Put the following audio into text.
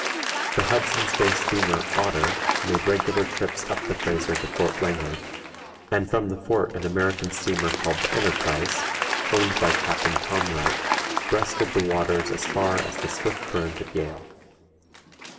The Hudson's Bay steamer Otter made regular trips up the Fraser to Fort Langley; and from the fort an American steamer called the Enterprise, owned by Captain Tom Wright, breasted the waters as far as the swift current at Yale.